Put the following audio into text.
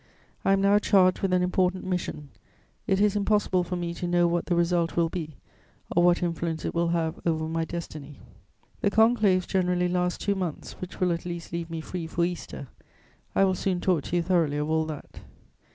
I am now charged with an important mission; it is impossible for me to know what the result will be, or what influence it will have over my destiny. [Sidenote: Conclave arrangements.] "The conclaves generally last two months, which will at least leave me free for Easter. I will soon talk to you thoroughly of all that.